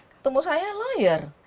ketemu saya lawyer